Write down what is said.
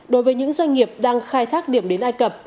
đối với những doanh nghiệp đang khai thác điểm đến ai cập